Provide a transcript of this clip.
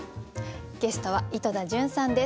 ゲストは井戸田潤さんです。